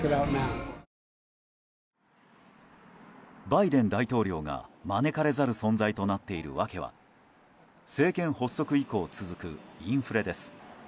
バイデン大統領が招かれざる存在となっている訳は政権発足以降続くインフレです。